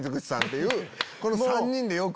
この３人でよく。